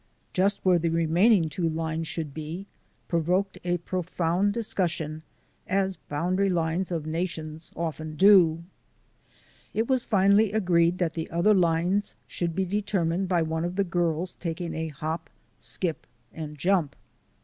Just where the remaining two lines should be provoked a profound discussion, as boundary lines of nations often do. It was finally agreed that the other lines should be determined by one of the girls tak ing a hop, skip, and jump.